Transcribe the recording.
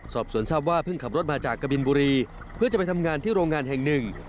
สอบสวนทราบว่าเพิ่งขับรถมาจากกะบินบุรีเพื่อจะไปทำงานที่โรงงานแห่งหนึ่ง